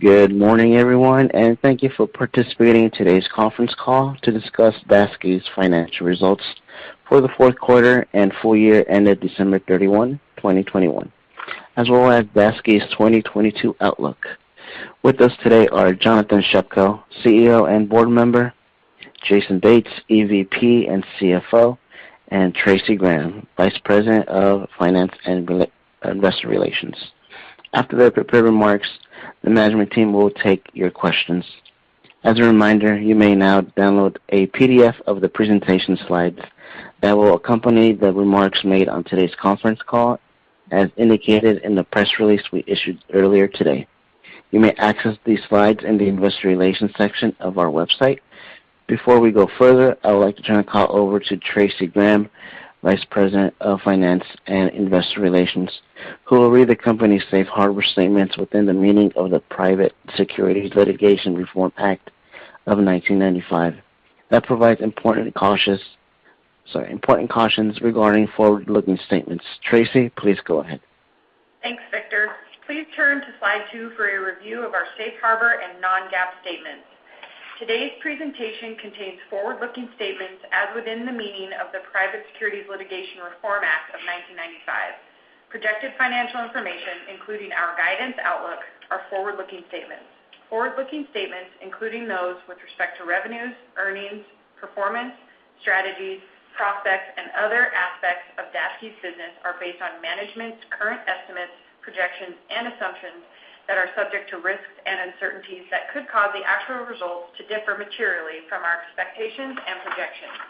Good morning, everyone, and thank you for participating in today's conference call to discuss Daseke's financial results for the Q4 and full year ended December 31th, 2021, as well as Daseke's 2022 outlook. With us today are Jonathan Shepko, CEO and Board Member, Jason Bates, EVP and CFO, and Traci Grahame, Vice President of Finance and Investor Relations. After the prepared remarks, the management team will take your questions. As a reminder, you may now download a PDF of the presentation slides that will accompany the remarks made on today's conference call as indicated in the press release we issued earlier today. You may access these slides in the Investor Relations section of our website. Before we go further, I would like to turn the call over to Traci Grahame, Vice President of Finance and Investor Relations, who will read the company's safe harbor statements within the meaning of the Private Securities Litigation Reform Act of 1995 that provides important cautions regarding forward-looking statements. Traci, please go ahead. Thanks, Victor. Please turn to slide 2 for a review of our safe harbor and non-GAAP statements. Today's presentation contains forward-looking statements as within the meaning of the Private Securities Litigation Reform Act of 1995. Projected financial information, including our guidance outlook, are forward-looking statements. Forward-looking statements, including those with respect to revenues, earnings, performance, strategies, prospects, and other aspects of Daseke's business are based on management's current estimates, projections, and assumptions that are subject to risks and uncertainties that could cause the actual results to differ materially from our expectations and projections.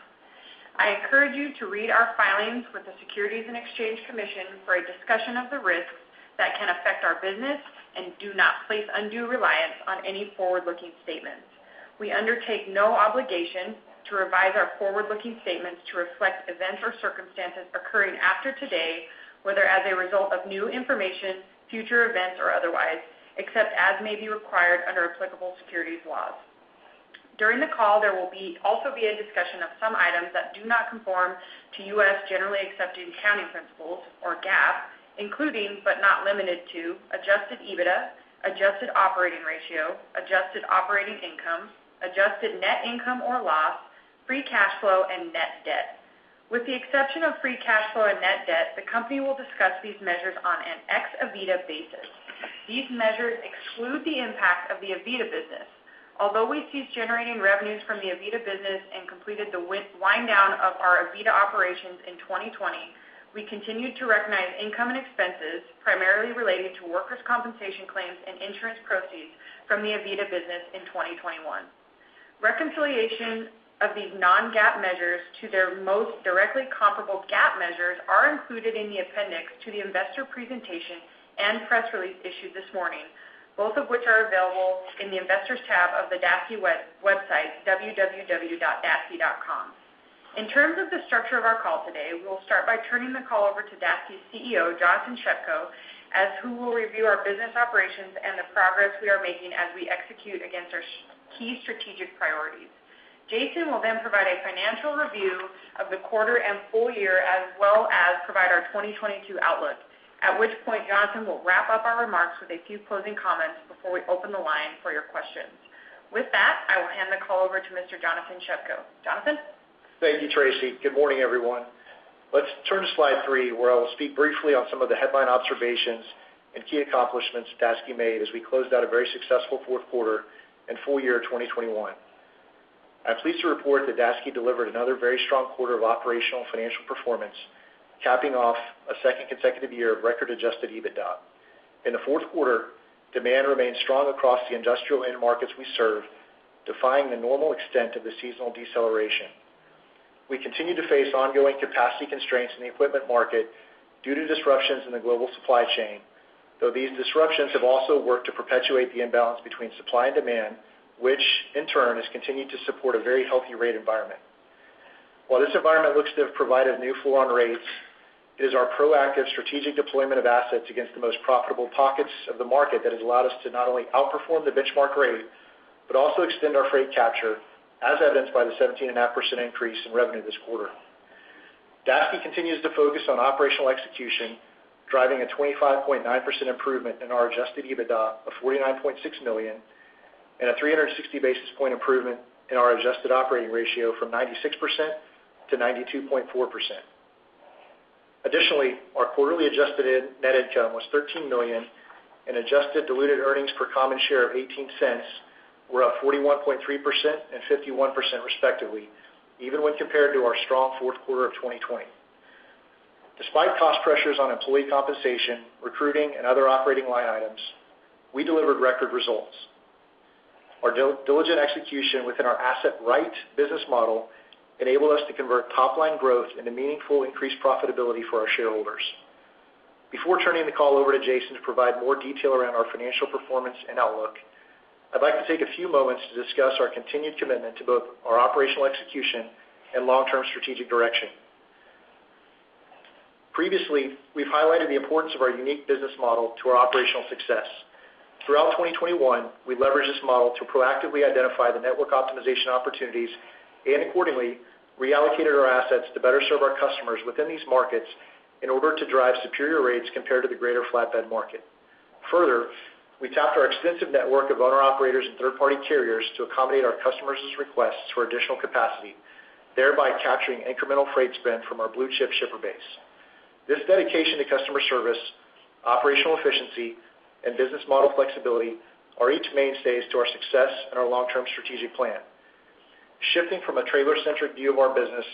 I encourage you to read our filings with the Securities and Exchange Commission for a discussion of the risks that can affect our business and do not place undue reliance on any forward-looking statements. We undertake no obligation to revise our forward-looking statements to reflect events or circumstances occurring after today, whether as a result of new information, future events or otherwise, except as may be required under applicable securities laws. During the call, there will also be a discussion of some items that do not conform to U.S. generally accepted accounting principles or GAAP, including, but not limited to, adjusted EBITDA, adjusted operating ratio, adjusted operating income, adjusted net income or loss, free cash flow and net debt. With the exception of free cash flow and net debt, the company will discuss these measures on an ex Aveda basis. These measures exclude the impact of the Aveda business. Although we ceased generating revenues from the Aveda business and completed the wind down of our Aveda operations in 2020, we continued to recognize income and expenses primarily related to workers compensation claims and insurance proceeds from the Aveda business in 2021. Reconciliation of these non-GAAP measures to their most directly comparable GAAP measures are included in the appendix to the investor presentation and press release issued this morning, both of which are available in the Investors tab of the Daseke website, www.daseke.com. In terms of the structure of our call today, we will start by turning the call over to Daseke's CEO, Jonathan Shepko, who will review our business operations and the progress we are making as we execute against our key strategic priorities. Jason will then provide a financial review of the quarter and full year as well as provide our 2022 outlook, at which point Jonathan will wrap up our remarks with a few closing comments before we open the line for your questions. With that, I will hand the call over to Mr. Jonathan Shepko. Jonathan? Thank you, Tracy. Good morning, everyone. Let's turn to slide 3, where I will speak briefly on some of the headline observations and key accomplishments Daseke made as we closed out a very successful Q4 and full year 2021. I'm pleased to report that Daseke delivered another very strong quarter of operational financial performance, capping off a second consecutive year of record-adjusted EBITDA. In the Q4, demand remained strong across the industrial end markets we serve, defying the normal extent of the seasonal deceleration. We continue to face ongoing capacity constraints in the equipment market due to disruptions in the global supply chain, though these disruptions have also worked to perpetuate the imbalance between supply and demand, which in turn has continued to support a very healthy rate environment. While this environment looks to have provided new full on rates, it is our proactive strategic deployment of assets against the most profitable pockets of the market that has allowed us to not only outperform the benchmark rate but also extend our freight capture, as evidenced by the 17.5% increase in revenue this quarter. Daseke continues to focus on operational execution, driving a 25.9% improvement in our adjusted EBITDA of $49.6 million and a 360 basis point improvement in our adjusted operating ratio from 96% to 92.4%. Additionally, our quarterly adjusted in-net income was $13 million and adjusted diluted earnings per common share of $0.18 were up 41.3% and 51% respectively, even when compared to our strong fouof 2020. Despite cost pressures on employee compensation, recruiting and other operating line items, we delivered record results. Our diligent execution within our Asset Right business model enabled us to convert top line growth into meaningfully increased profitability for our shareholders. Before turning the call over to Jason to provide more detail around our financial performance and outlook, I'd like to take a few moments to discuss our continued commitment to both our operational execution and long-term strategic direction. Previously, we've highlighted the importance of our unique business model to our operational success. Throughout 2021, we leveraged this model to proactively identify the network optimization opportunities and accordingly reallocated our assets to better serve our customers within these markets in order to drive superior rates compared to the greater flatbed market. Further, we tapped our extensive network of owner-operators and third-party carriers to accommodate our customers' requests for additional capacity, thereby capturing incremental freight spend from our blue-chip shipper base. This dedication to customer service, operational efficiency, and business model flexibility are each mainstays to our success and our long-term strategic plan. Shifting from a trailer-centric view of our business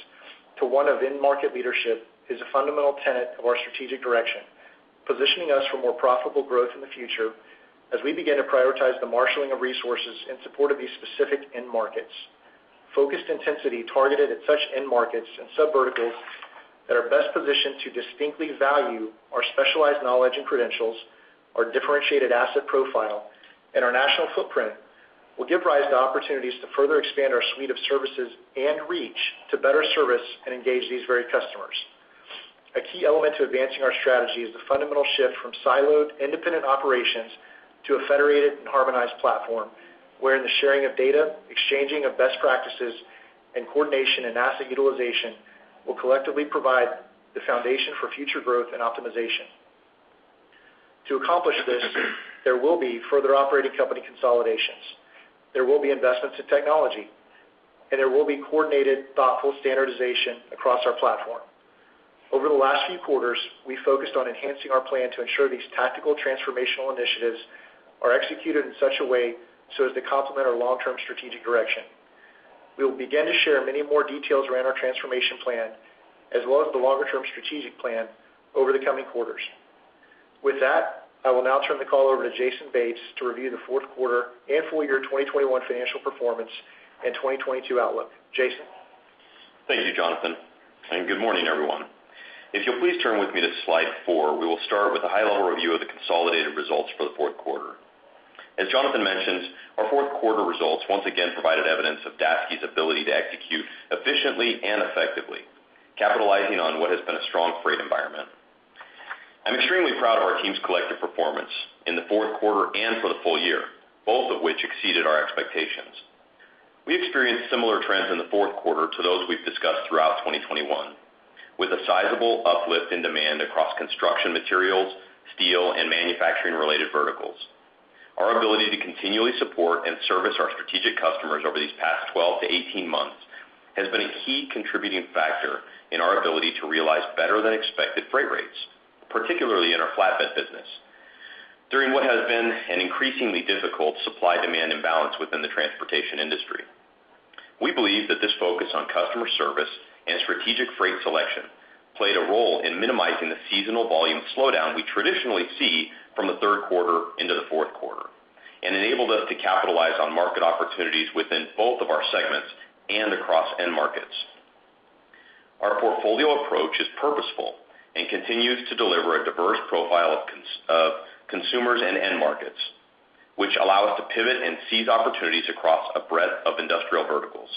to one of end market leadership is a fundamental tenet of our strategic direction, positioning us for more profitable growth in the future as we begin to prioritize the marshaling of resources in support of these specific end markets. Focused intensity targeted at such end markets and subverticals that are best positioned to distinctly value our specialized knowledge and credentials, our differentiated asset profile, and our national footprint, will give rise to opportunities to further expand our suite of services and reach to better service and engage these very customers. A key element to advancing our strategy is the fundamental shift from siloed independent operations to a federated and harmonized platform, wherein the sharing of data, exchanging of best practices, and coordination and asset utilization will collectively provide the foundation for future growth and optimization. To accomplish this, there will be further operating company consolidations, there will be investments in technology, and there will be coordinated, thoughtful standardization across our platform. Over the last few quarters, we focused on enhancing our plan to ensure these tactical transformational initiatives are executed in such a way so as to complement our long-term strategic direction. We will begin to share many more details around our transformation plan, as well as the longer-term strategic plan over the coming quarters. With that, I will now turn the call over to Jason Bates to review the Q4 and full year 2021 financial performance and 2022 outlook. Jason? Thank you, Jonathan, and good morning, everyone. If you'll please turn with me to slide four, we will start with a high-level review of the consolidated results for the Q4. As Jonathan mentioned, our Q4 results once again provided evidence of Daseke's ability to execute efficiently and effectively, capitalizing on what has been a strong freight environment. I'm extremely proud of our team's collective performance in the Q4 and for the full year, both of which exceeded our expectations. We experienced similar trends in the Q4 to those we've discussed throughout 2021, with a sizable uplift in demand across construction materials, steel, and manufacturing-related verticals. Our ability to continually support and service our strategic customers over these past 12 to 18 months has been a key contributing factor in our ability to realize better-than-expected freight rates, particularly in our flatbed business, during what has been an increasingly difficult supply-demand imbalance within the transportation industry. We believe that this focus on customer service and strategic freight selection played a role in minimizing the seasonal volume slowdown we traditionally see from the Q3 into the Q4, and enabled us to capitalize on market opportunities within both of our segments and across end markets. Our portfolio approach is purposeful and continues to deliver a diverse profile of consumers and end markets, which allow us to pivot and seize opportunities across a breadth of industrial verticals.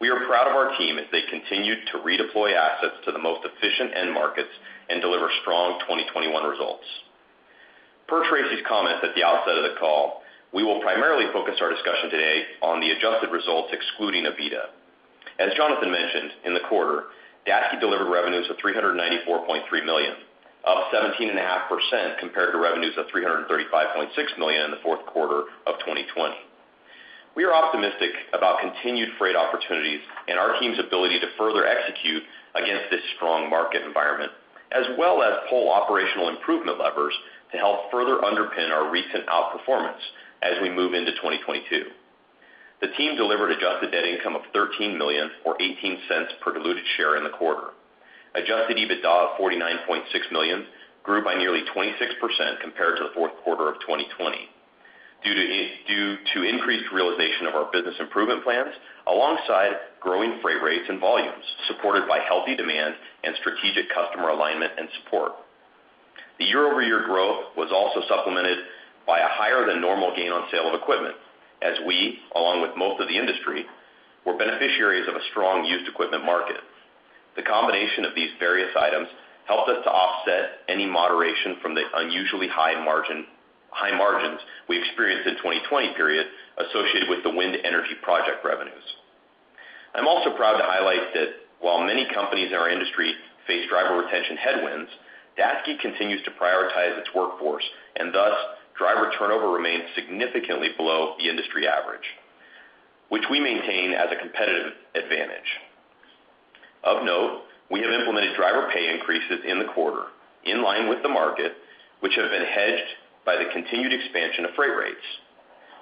We are proud of our team as they continued to redeploy assets to the most efficient end markets and deliver strong 2021 results. Per Traci's comments at the outset of the call, we will primarily focus our discussion today on the adjusted results excluding Aveda. As Jonathan mentioned, in the quarter, Daseke delivered revenues of $394.3 million, up 17.5% compared to revenues of $335.6 million in the Q4 of 2020. We are optimistic about continued freight opportunities and our team's ability to further execute against this strong market environment, as well as pull operational improvement levers to help further underpin our recent outperformance as we move into 2022. The team delivered adjusted net income of $13 million, or $0.18 per diluted share in the quarter. Adjusted EBITDA of $49.6 million grew by nearly 26% compared to the Q4 of 2020, due to increased realization of our business improvement plans alongside growing freight rates and volumes, supported by healthy demand and strategic customer alignment and support. The year-over-year growth was also supplemented by a higher-than-normal gain on sale of equipment, as we, along with most of the industry, were beneficiaries of a strong used equipment market. The combination of these various items helped us to offset any moderation from the unusually high margin, high margins we experienced in 2020 period associated with the wind energy project revenues. I'm also proud to highlight that while many companies in our industry face driver retention headwinds, Daseke continues to prioritize its workforce, and thus, driver turnover remains significantly below the industry average, which we maintain as a competitive advantage. Of note, we have implemented driver pay increases in the quarter, in line with the market, which have been hedged by the continued expansion of freight rates.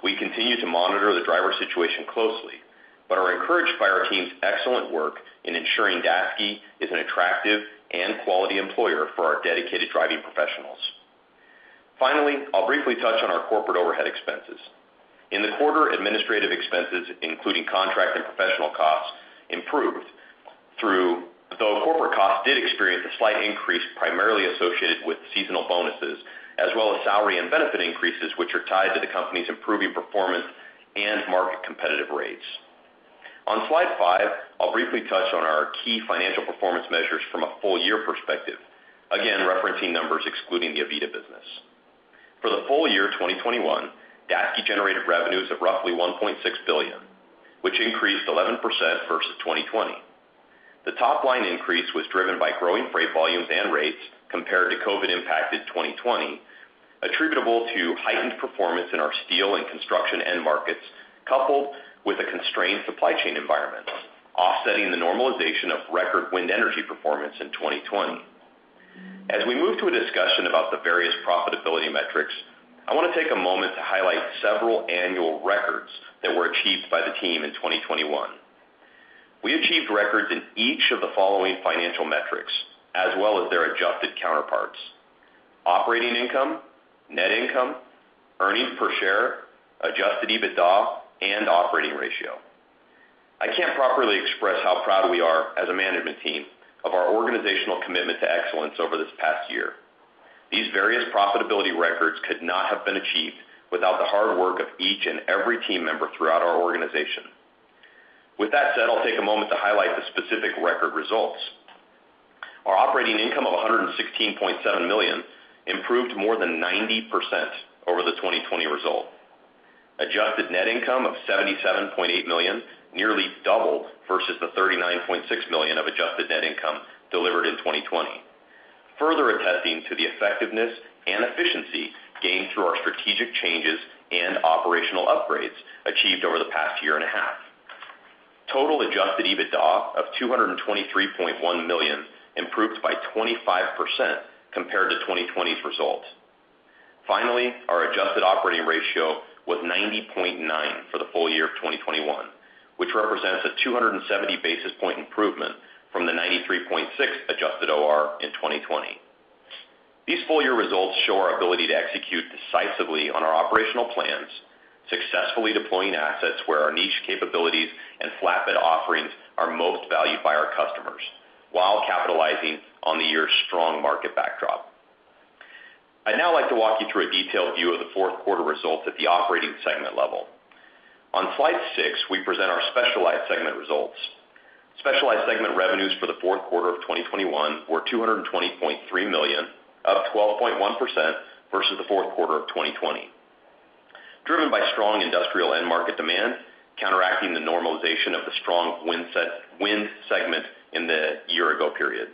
We continue to monitor the driver situation closely, but are encouraged by our team's excellent work in ensuring Daseke is an attractive and quality employer for our dedicated driving professionals. Finally, I'll briefly touch on our corporate overhead expenses. In the quarter, administrative expenses, including contract and professional costs, improved through. Though corporate costs did experience a slight increase primarily associated with seasonal bonuses, as well as salary and benefit increases, which are tied to the company's improving performance and market competitive rates. On slide 5, I'll briefly touch on our key financial performance measures from a full year perspective, again, referencing numbers excluding the Aveda business. For the full year 2021, Daseke generated revenues of roughly $1.6 billion, which increased 11% versus 2020. The top line increase was driven by growing freight volumes and rates compared to COVID impacted 2020, attributable to heightened performance in our steel and construction end markets, coupled with a constrained supply chain environment, offsetting the normalization of record wind energy performance in 2020. As we move to a discussion about the various profitability metrics, I want to take a moment to highlight several annual records that were achieved by the team in 2021. We achieved records in each of the following financial metrics as well as their adjusted counterparts, operating income, net income, earnings per share, adjusted EBITDA, and operating ratio. I can't properly express how proud we are as a management team of our organizational commitment to excellence over this past year. These various profitability records could not have been achieved without the hard work of each and every team member throughout our organization. With that said, I'll take a moment to highlight the specific record results. Our operating income of $116.7 million improved more than 90% over the 2020 result. Adjusted net income of $77.8 million nearly doubled versus the $39.6 million of adjusted net income delivered in 2020, further attesting to the effectiveness and efficiency gained through our strategic changes and operational upgrades achieved over the past year and a half. Total adjusted EBITDA of $223.1 million improved by 25% compared to 2020's result. Finally, our adjusted operating ratio was 90.9 for the full year of 2021, which represents a 270 basis points improvement from the 93.6 adjusted OR in 2020. These full year results show our ability to execute decisively on our operational plans, successfully deploying assets where our niche capabilities and flatbed offerings are most valued by our customers while capitalizing on the year's strong market backdrop. I'd now like to walk you through a detailed view of the Q4 results at the operating segment level. On slide 6, we present our specialized segment results. Specialized segment revenues for the Q4 of 2021 were $220.3 million, up 12.1% versus the Q4 Q2 of 2020. Driven by strong industrial end market demand, counteracting the normalization of the strong wind segment in the year ago period.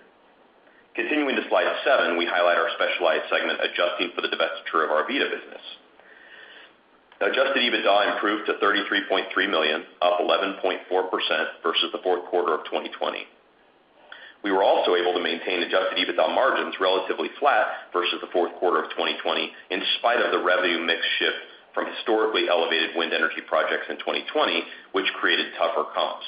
Continuing to slide seven, we highlight our specialized segment, adjusting for the divestiture of our Aveda business. Adjusted EBITDA improved to $33.3 million, up 11.4% versus the fourth quarter of 2020. We were also able to maintain adjusted EBITDA margins relatively flat versus the fourth quarter of 2020, in spite of the revenue mix shift from historically elevated wind energy projects in 2020, which created tougher comps.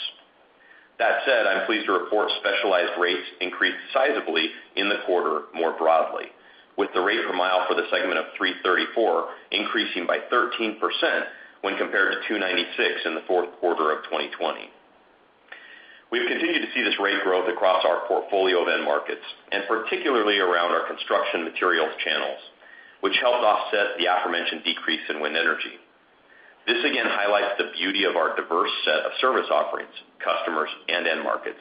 That said, I'm pleased to report specialized rates increased sizably in the quarter more broadly, with the rate per mile for the segment of 334 increasing by 13% when compared to 296 in the Q4 of 2020. We've continued to see this rate growth across our portfolio of end markets, and particularly around our construction materials channels, which helped offset the aforementioned decrease in wind energy. This again highlights the beauty of our diverse set of service offerings, customers, and end markets.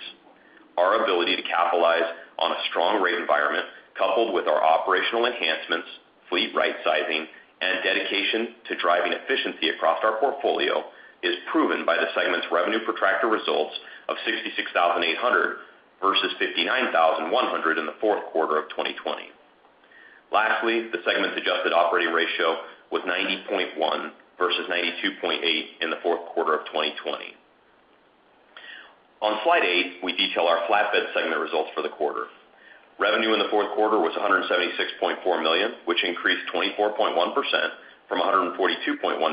Our ability to capitalize on a strong rate environment, coupled with our operational enhancements, fleet rightsizing, and dedication to driving efficiency across our portfolio, is proven by the segment's revenue per tractor results of $66,800 versus $59,100 in the fourth quarter of 2020. Lastly, the segment's adjusted operating ratio was 90.1% versus 92.8% in the Q4 of 2020. On slide 8, we detail our flatbed segment results for the quarter. Revenue in the Q4 was $176.4 million, which increased 24.1% from $142.1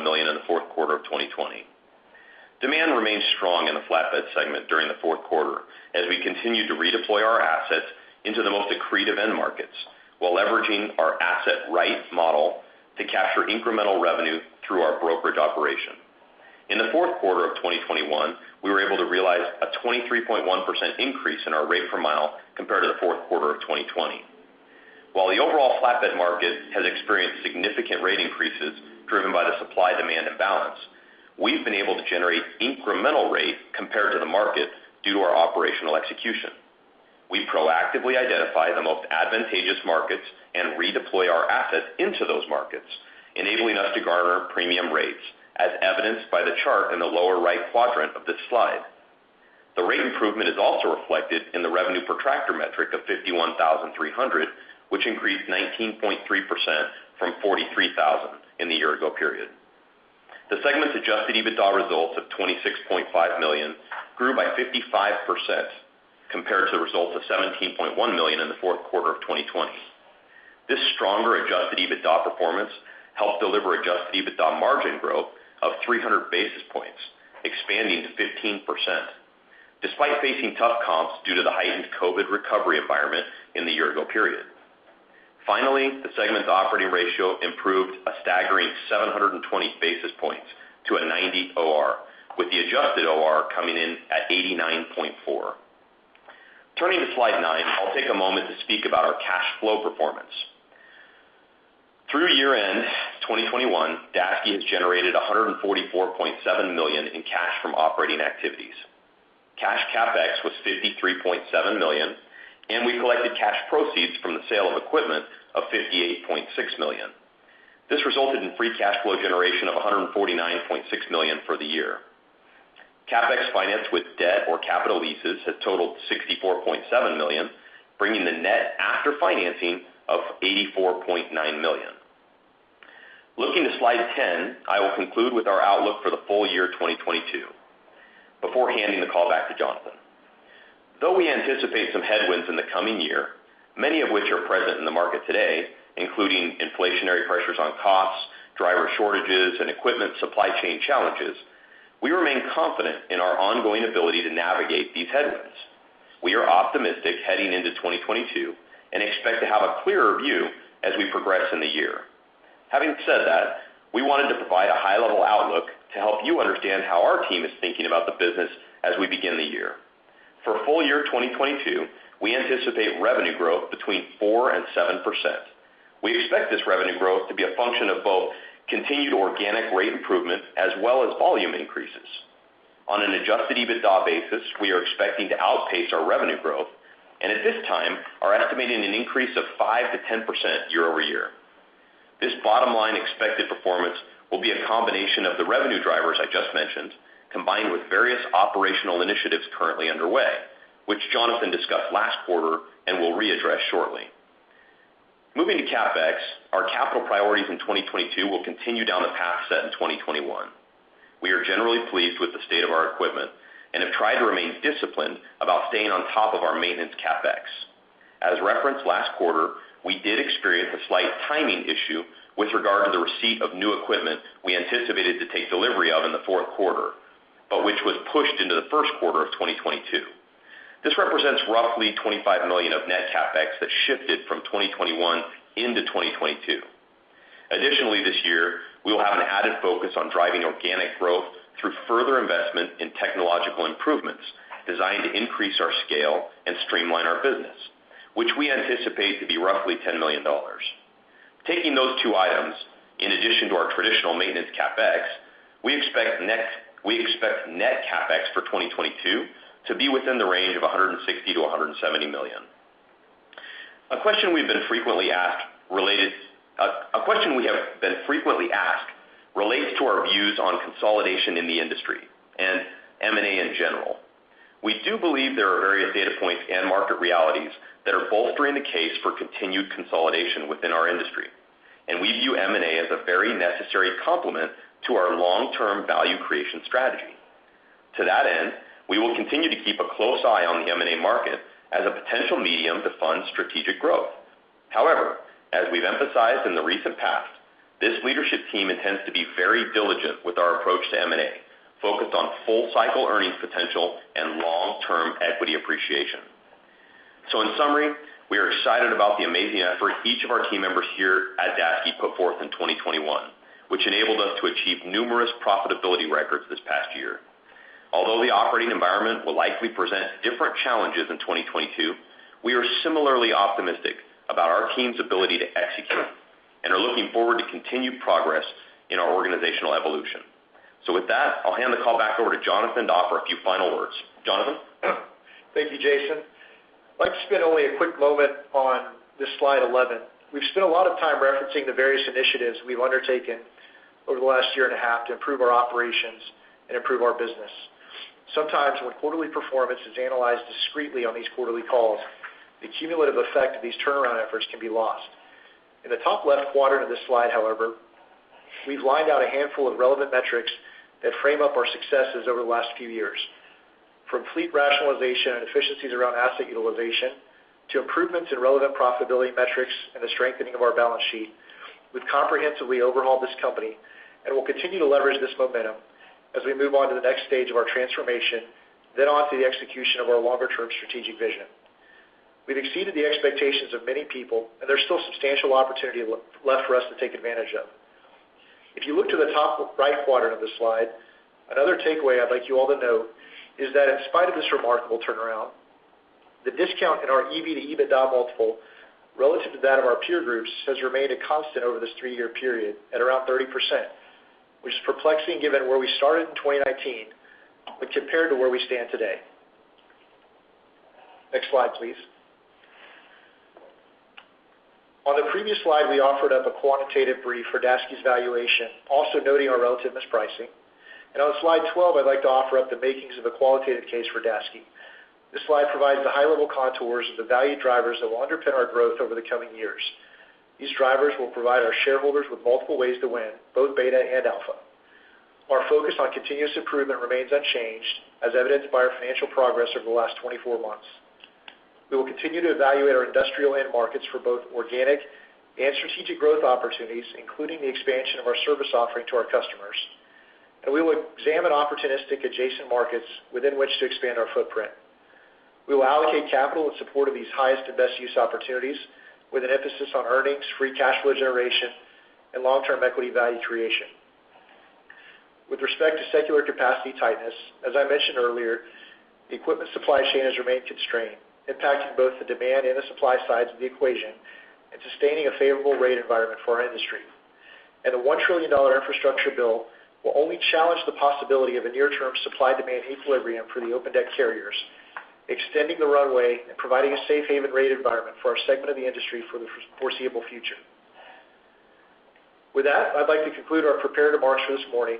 million in the Q4 of 2020. Demand remained strong in the flatbed segment during the Q4 as we continued to redeploy our assets into the most accretive end markets while leveraging our Asset Right model to capture incremental revenue through our brokerage operation. In the Q4 of 2021, we were able to realize a 23.1% increase in our rate per mile compared to the Q4 of 2020. While the overall flatbed market has experienced significant rate increases driven by the supply-demand imbalance, we've been able to generate incremental rate compared to the market due to our operational execution. We proactively identify the most advantageous markets and redeploy our assets into those markets, enabling us to garner premium rates, as evidenced by the chart in the lower right quadrant of this slide. The rate improvement is also reflected in the revenue per tractor metric of $51,300, which increased 19.3% from $43,000 in the year ago period. The segment's adjusted EBITDA results of $26.5 million grew by 55% compared to the results of $17.1 million in the Q4 of 2020. This stronger adjusted EBITDA performance helped deliver adjusted EBITDA margin growth of 300 basis points, expanding to 15%, despite facing tough comps due to the heightened COVID recovery environment in the year ago period. Finally, the segment's operating ratio improved a staggering 720 basis points to a 90 OR, with the adjusted OR coming in at 89.4. Turning to slide 9, I'll take a moment to speak about our cash flow performance. Through year-end 2021, Daseke has generated $144.7 million in cash from operating activities. Cash CapEx was $53.7 million, and we collected cash proceeds from the sale of equipment of $58.6 million. This resulted in free cash flow generation of $149.6 million for the year. CapEx financed with debt or capital leases had totaled $64.7 million, bringing the net after financing of $84.9 million. Looking to slide 10, I will conclude with our outlook for the full year 2022 before handing the call back to Jonathan. Though we anticipate some headwinds in the coming year, many of which are present in the market today, including inflationary pressures on costs, driver shortages, and equipment supply chain challenges, we remain confident in our ongoing ability to navigate these headwinds. We are optimistic heading into 2022 and expect to have a clearer view as we progress in the year. Having said that, we wanted to provide a high-level outlook to help you understand how our team is thinking about the business as we begin the year. For full year 2022, we anticipate revenue growth between 4% to 7%. We expect this revenue growth to be a function of both continued organic rate improvement as well as volume increases. On an adjusted EBITDA basis, we are expecting to outpace our revenue growth and at this time are estimating an increase of 5% to 10% year-over-year. This bottom line expected performance will be a combination of the revenue drivers I just mentioned, combined with various operational initiatives currently underway, which Jonathan discussed last quarter and will readdress shortly. Moving to CapEx, our capital priorities in 2022 will continue down the path set in 2021. We are generally pleased with the state of our equipment and have tried to remain disciplined about staying on top of our maintenance CapEx. As referenced last quarter, we did experience a slight timing issue with regard to the receipt of new equipment we anticipated to take delivery of in the Q4, but which was pushed into the Q1 of 2022. This represents roughly $25 million of net CapEx that shifted from 2021 into 2022. Additionally, this year, we will have an added focus on driving organic growth through further investment in technological improvements designed to increase our scale and streamline our business, which we anticipate to be roughly $10 million. Taking those two items, in addition to our traditional maintenance CapEx, we expect net CapEx for 2022 to be within the range of $160 million-$170 million. A question we have been frequently asked relates to our views on consolidation in the industry and M&A in general. We do believe there are various data points and market realities that are bolstering the case for continued consolidation within our industry, and we view M&A as a very necessary complement to our long-term value creation strategy. To that end, we will continue to keep a close eye on the M&A market as a potential medium to fund strategic growth. However, as we've emphasized in the recent past, this leadership team intends to be very diligent with our approach to M&A, focused on full cycle earnings potential and long-term equity appreciation. In summary, we are excited about the amazing effort each of our team members here at Daseke put 4th in 2021, which enabled us to achieve numerous profitability records this past year. Although the operating environment will likely present different challenges in 2022, we are similarly optimistic about our team's ability to execute and are looking forward to continued progress in our organizational evolution. With that, I'll hand the call back over to Jonathan to offer a few final words. Jonathan? Thank you, Jason. I'd like to spend only a quick moment on this slide 11. We've spent a lot of time referencing the various initiatives we've undertaken over the last year and a half to improve our operations and improve our business. Sometimes, when quarterly performance is analyzed discreetly on these quarterly calls, the cumulative effect of these turnaround efforts can be lost. In the top left quadrant of this slide, however, we've lined out a handful of relevant metrics that frame up our successes over the last few years. From fleet rationalization and efficiencies around asset utilization to improvements in relevant profitability metrics and the strengthening of our balance sheet, we've comprehensively overhauled this company, and we'll continue to leverage this momentum as we move on to the next stage of our transformation, then on to the execution of our longer-term strategic vision. We've exceeded the expectations of many people, and there's still substantial opportunity left for us to take advantage of. If you look to the top right quadrant of the slide, another takeaway I'd like you all to note is that in spite of this remarkable turnaround, the discount in our EV-to-EBITDA multiple relative to that of our peer groups has remained a constant over this 3-year period at around 30%, which is perplexing given where we started in 2019 when compared to where we stand today. Next slide, please. On the previous slide, we offered up a quantitative brief for Daseke's valuation, also noting our relative mispricing. On slide 12, I'd like to offer up the makings of a qualitative case for Daseke. This slide provides the high-level contours of the value drivers that will underpin our growth over the coming years. These drivers will provide our shareholders with multiple ways to win, both beta and alpha. Our focus on continuous improvement remains unchanged, as evidenced by our financial progress over the last 24 months. We will continue to evaluate our industrial end markets for both organic and strategic growth opportunities, including the expansion of our service offering to our customers, and we will examine opportunistic adjacent markets within which to expand our footprint. We will allocate capital in support of these highest and best use opportunities with an emphasis on earnings, free cash flow generation, and long-term equity value creation. With respect to secular capacity tightness, as I mentioned earlier, the equipment supply chain has remained constrained, impacting both the demand and the supply sides of the equation and sustaining a favorable rate environment for our industry. The $1 trillion infrastructure bill will only challenge the possibility of a near-term supply-demand equilibrium for the open deck carriers. Extending the runway and providing a safe haven rate environment for our segment of the industry for the foreseeable future. With that, I'd like to conclude our prepared remarks for this morning,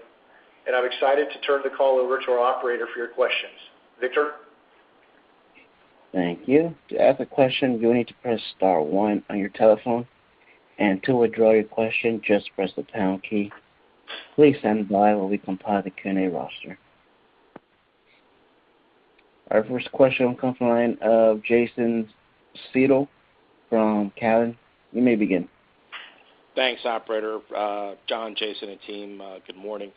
and I'm excited to turn the call over to our operator for your questions. Victor. Our first question will come from the line of Jason Seidl from Cowen. You may begin. Thanks, operator. Jonathan, Jason, and team, good morning.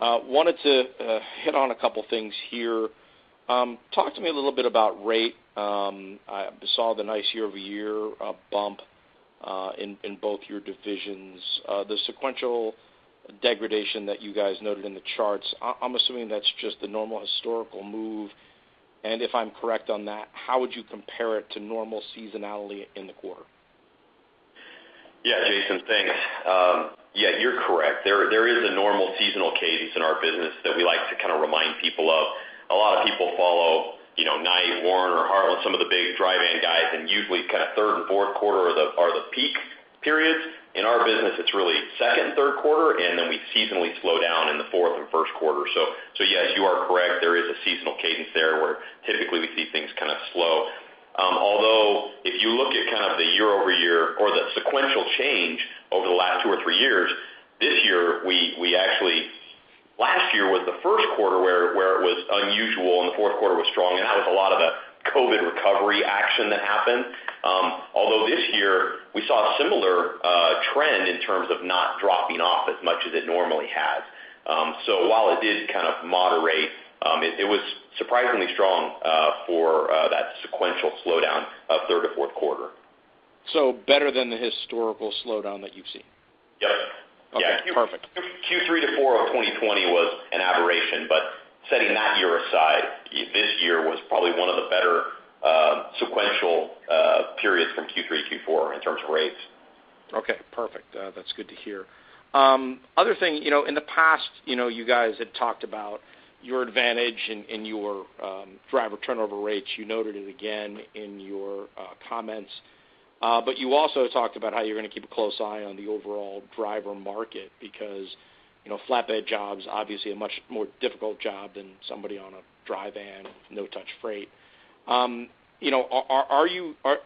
Wanted to hit on a couple things here. Talk to me a little bit about rate. I saw the nice year-over-year bump in both your divisions. The sequential degradation that you guys noted in the charts, I'm assuming that's just the normal historical move. If I'm correct on that, how would you compare it to normal seasonality in the quarter? Yeah. Jason, thanks. Yeah, you're correct. There is a normal seasonal cadence in our business that we like to kind of remind people of. A lot of people follow, you know, Knight, Werner, or Heartland, some of the big dry van guys, and usually kind of third and Q4 are the peak periods. In our business, it's really Q2 and Q3, and then we seasonally slow down in the Q4 and Q1. So yes, you are correct, there is a seasonal cadence there where typically we see things kind of slow. Although if you look at kind of the year-over-year or the sequential change over the last 2 or 3 years, this year we actually. Last year was the Q1 where it was unusual and the Q4 was strong, and that was a lot of the COVID recovery action that happened. Although this year we saw a similar trend in terms of not dropping off as much as it normally has. While it did kind of moderate, it was surprisingly strong for that sequential slowdown of third to Q4. Better than the historical slowdown that you've seen? Yep. Okay. Perfect. Q3 to Q4 of 2020 was an aberration, but setting that year aside, this year was probably one of the better sequential periods from Q3, Q4 in terms of rates. Okay. Perfect. That's good to hear. Other thing, you know, in the past, you know, you guys had talked about your advantage in your driver turnover rates. You noted it again in your comments. But you also talked about how you're gonna keep a close eye on the overall driver market because, you know, flatbed job's obviously a much more difficult job than somebody on a dry van, no-touch freight. You know,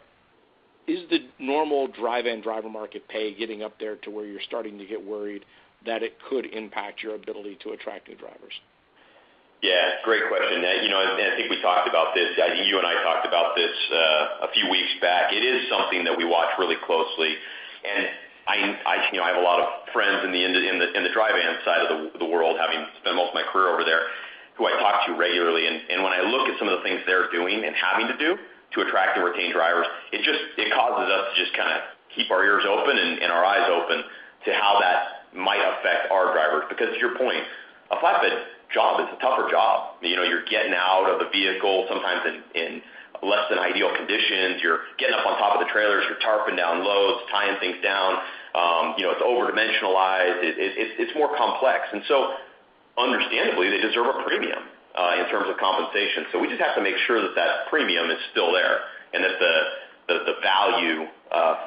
is the normal dry van driver market pay getting up there to where you're starting to get worried that it could impact your ability to attract new drivers? Yeah. Great question. You know, I think we talked about this. I think you and I talked about this a few weeks back. It is something that we watch really closely. You know, I have a lot of friends in the dry van side of the world, having spent most of my career over there, who I talk to regularly. When I look at some of the things they're doing and having to do to attract and retain drivers, it just causes us to just kind keep our ears open and our eyes open to how that might affect our drivers. Because to your point, a flatbed job is a tougher job. You know, you're getting out of the vehicle sometimes in less than ideal conditions. You're getting up on top of the trailers. You're tarping down loads, tying things down. You know, it's over-dimensionalized. It's more complex. Understandably, they deserve a premium in terms of compensation. We just have to make sure that that premium is still there and that the value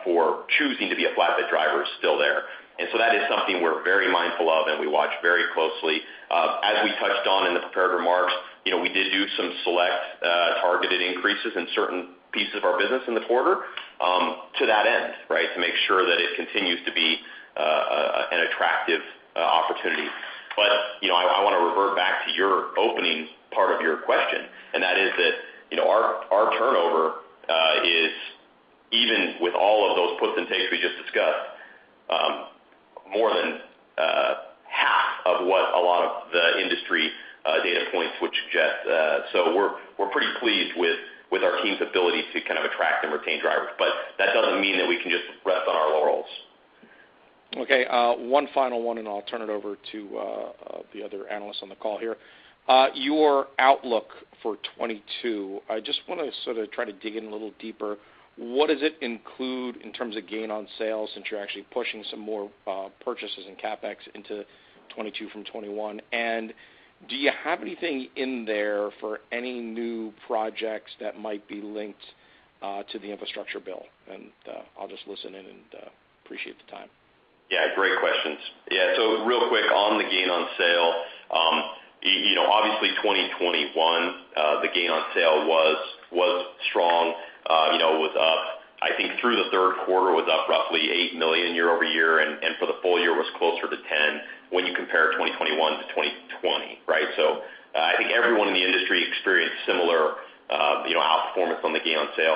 for choosing to be a flatbed driver is still there. That is something we're very mindful of and we watch very closely. As we touched on in the prepared remarks, you know, we did do some select targeted increases in certain pieces of our business in the quarter to that end, right? To make sure that it continues to be an attractive opportunity. You know, I wanna revert back to your opening part of your question, and that is that, you know, our turnover is even with all of those puts and takes we just discussed, more than half of what a lot of the industry data points would suggest. We're pretty pleased with our team's ability to kind of attract and retain drivers, but that doesn't mean that we can just rest on our laurels. Okay, 1 final one, and I'll turn it over to the other analysts on the call here. Your outlook for 2022, I just wanna sort of try to dig in a little deeper. What does it include in terms of gain on sales, since you're actually pushing some more purchases and CapEx into 2022 from 2021? Do you have anything in there for any new projects that might be linked to the infrastructure bill? I'll just listen in and appreciate the time. Yeah, great questions. Yeah. Real quick on the gain on sale, you know, obviously in 2021, the gain on sale was strong. You know, it was up, I think. Through the Q3, it was up roughly $8 million year-over-year, and for the full year was closer to $10 million when you compare 2021 to 2020, right? I think everyone in the industry experienced similar, you know, outperformance on the gain on sale.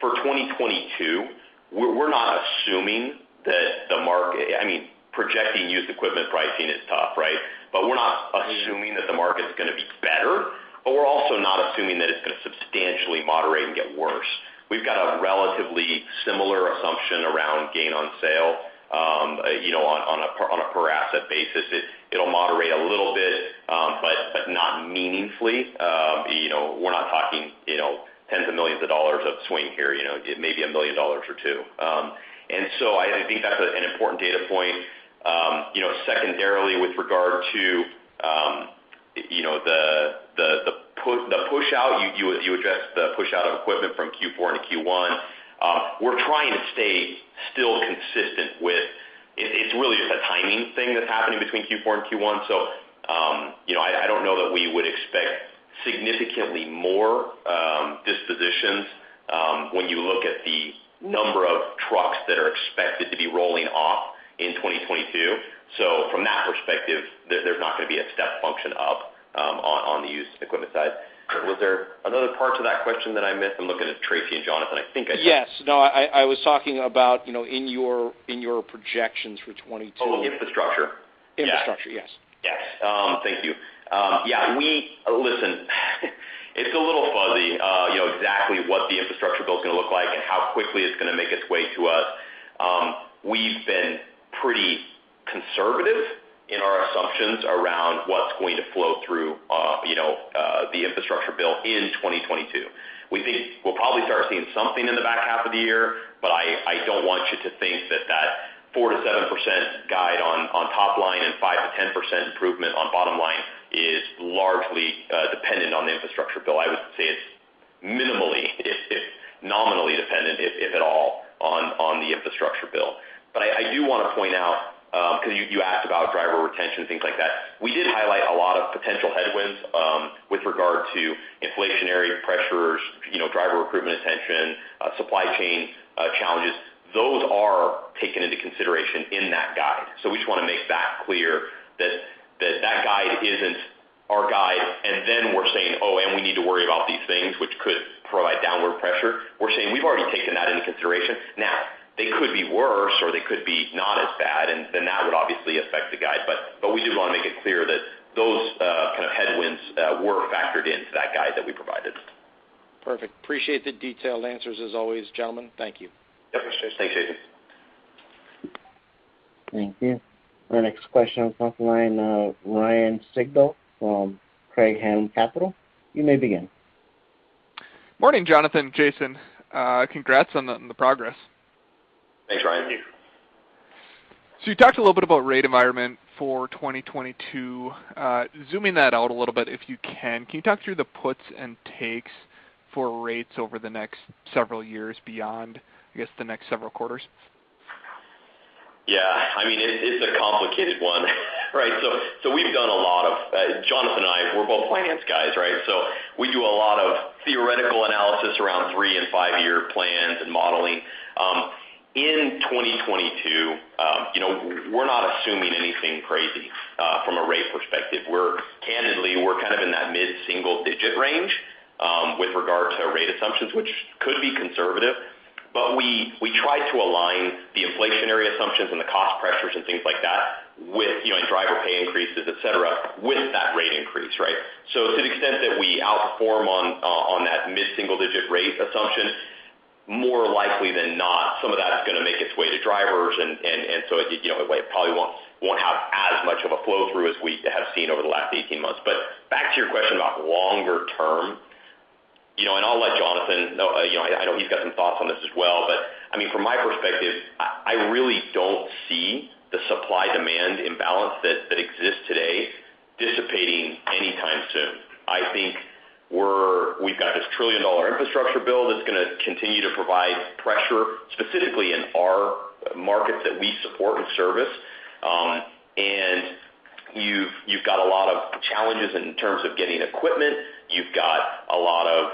For 2022, we're not assuming that the market, I mean, projecting used equipment pricing is tough, right? We're not assuming that the market's gonna be better, but we're also not assuming that it's gonna substantially moderate and get worse. We've got a relatively similar assumption around gain on sale, you know, on a per asset basis. It'll moderate a little bit, but not meaningfully. You know, we're not talking tens of millions of dollars of swing here, you know, it may be $1 million or $2 million. I think that's an important data point. You know, secondarily, with regard to the pushout, you addressed the pushout of equipment from Q4 to Q1. We're trying to stay consistent with it. It's really just a timing thing that's happening between Q4 and Q1. You know, I don't know that we would expect significantly more dispositions when you look at the number of trucks that are expected to be rolling off in 2022. From that perspective, there's not gonna be a step function up on the used equipment side. Was there another part to that question that I missed? I'm looking at Traci and Jonathan. I think I did. Yes. No, I was talking about, you know, in your projections for 2022. Oh, infrastructure. Infrastructure, yes. Yes. Thank you. Yeah, listen, it's a little fuzzy, you know, exactly what the infrastructure bill is gonna look like and how quickly it's going to make its way to us. We've been pretty conservative in our assumptions around what's going to flow through, you know, the infrastructure bill in 2022. We think we'll probably start seeing something in the back half of the year, but I don't want you to think that 4% to 7% guide on top line and 5% to 10% improvement on bottom line is largely dependent on the infrastructure bill. I would say it's minimally, it's nominally dependent, if at all, on the infrastructure bill. I do wanna point out, because you asked about driver retention, things like that. We did highlight a lot of potential headwinds with regard to inflationary pressures, you know, driver recruitment retention, supply chain challenges. Those are taken into consideration in that guide. We just wanna make that clear that that guide isn't our guide, and then we're saying, "Oh, and we need to worry about these things which could provide downward pressure." We're saying we've already taken that into consideration. Now, they could be worse, or they could be not as bad, and then that would obviously affect the guide. We did wanna make it clear that those kind of headwinds were factored into that guide that we provided. Perfect. Appreciate the detailed answers as always, gentlemen. Thank you. Yep. Thanks, Jason. Thank you. Our next question on the line, Ryan Sigdahl from Craig-Hallum Capital. You may begin. Morning, Jonathan and Jason. Congrats on the progress. Thanks, Ryan. Thank you. You talked a little bit about rate environment for 2022. Zooming that out a little bit, if you can you talk through the puts and takes for rates over the next several years beyond, I guess, the next several quarters? Yeah. I mean, it's a complicated one, right? We've done a lot of Jonathan and I, we're both finance guys, right? We do a lot of theoretical analysis around 3 and 5-year plans and modeling. In 2022, you know, we're not assuming anything crazy from a rate perspective. Candidly, we're kind of in that mid-single digit range with regard to rate assumptions, which could be conservative. We try to align the inflationary assumptions and the cost pressures and things like that with you know and driver pay increases, et cetera, with that rate increase, right? To the extent that we outperform on that mid-single digit rate assumption, more likely than not, some of that is gonna make its way to drivers. It probably won't have as much of a flow through as we have seen over the last 18 months. Back to your question about longer term, you know, and I'll let Jonathan, you know, I know he's got some thoughts on this as well. I mean, from my perspective, I really don't see the supply-demand imbalance that exists today dissipating anytime soon. I think we've got this $1 trillion infrastructure bill that's going to continue to provide pressure, specifically in our markets that we support and service. And you've got a lot of challenges in terms of getting equipment. You've got a lot of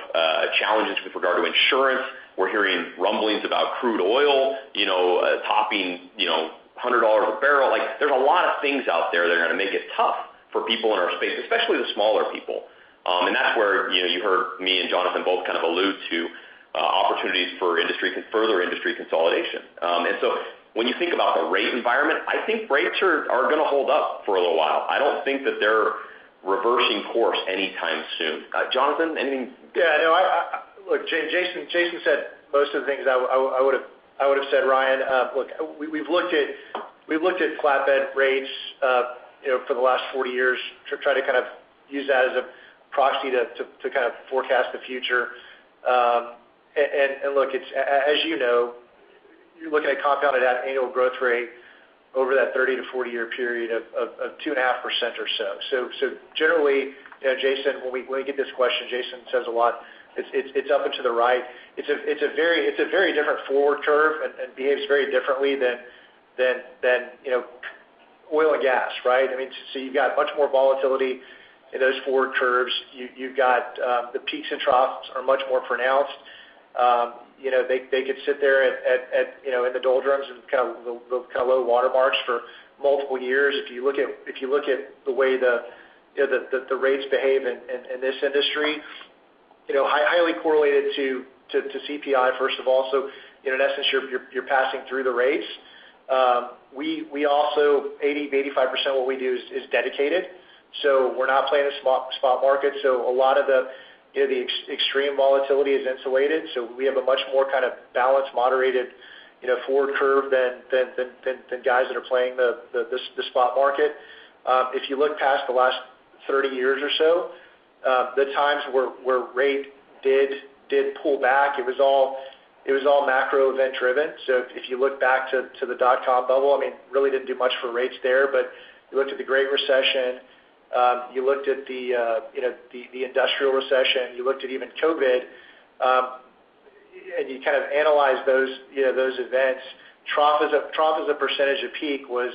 challenges with regard to insurance. We're hearing rumblings about crude oil, you know, topping $100 a barrel. Like, there's a lot of things out there that are going to make it tough for people in our space, especially the smaller people. That's where, you know, you heard me and Jonathan both kind of allude to, opportunities for further industry consolidation. When you think about the rate environment, I think rates are going to hold up for a little while. I don't think that they're reversing course anytime soon. Jonathan, anything? Look, Jason said most of the things I would have said, Ryan. Look, we've looked at flatbed rates, you know, for the last 40 years to try to kind of use that as a proxy to kind of forecast the future. Look, it's as you know, you're looking at compounded annual growth rate over that 30- to 40-year period of 2.5% or so. Generally, you know, Jason, when we get this question, Jason says a lot, it's up and to the right. It's a very different forward curve and behaves very differently than you know, oil and gas, right? I mean, you've got much more volatility in those forward curves. You've got the peaks and troughs are much more pronounced. You know, they could sit there at you know in the doldrums and kind of low water marks for multiple years. If you look at the way the rates behave in this industry, you know, highly correlated to CPI, first of all. In essence, you're passing through the rates. We also 85% what we do is dedicated, so we're not playing the spot market. A lot of the, you know, the extreme volatility is insulated, so we have a much more kind of balanced, moderated, you know, forward curve than guys that are playing the spot market. If you look past the last 30 years or so, the times where rate did pull back, it was all macro event driven. If you look back to the dot-com bubble, I mean, really didn't do much for rates there. You looked at the Great Recession, you looked at the industrial recession, you looked at even COVID, and you kind of analyze those, you know, those events, trough as a percentage of peak was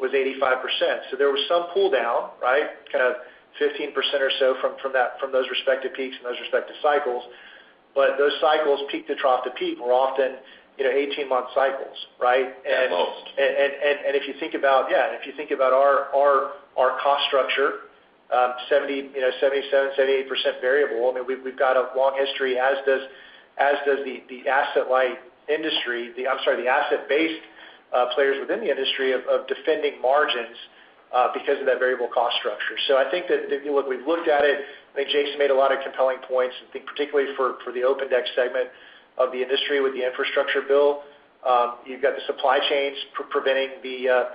85%. There was some pull down, right? Kind of 15% or so from those respective peaks and those respective cycles. Those cycles, peak to trough to peak, were often, you know, 18-month cycles, right? At most. If you think about our cost structure, 77 to 78% variable, I mean, we've got a long history, as does the asset-based players within the industry of defending margins because of that variable cost structure. I think that if you look, we've looked at it, I think Jason made a lot of compelling points, I think particularly for the open deck segment of the industry with the infrastructure bill. You've got the supply chains preventing the